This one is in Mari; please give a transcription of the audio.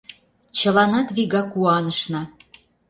Чыланат вигак куанышна.